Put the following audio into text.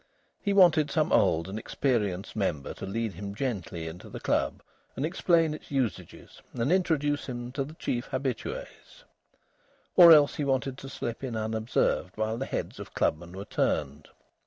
He wanted some old and experienced member to lead him gently into the club and explain its usages and introduce him to the chief habitués. Or else he wanted to slip in unobserved while the heads of clubmen were turned.